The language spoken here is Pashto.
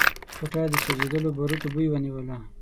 کوټه د سوځېدلو باروتو بوی ونيوله.